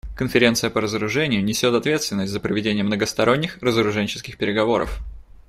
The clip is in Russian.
Конференция по разоружению несет ответственность за проведение многосторонних разоруженческих переговоров.